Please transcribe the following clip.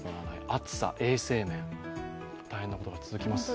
暑さ、衛生面、大変なことが続きます。